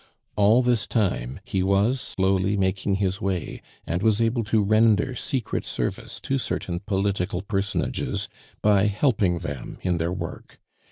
All this time he was slowly making his way, and was able to render secret service to certain political personages by helping them in their work.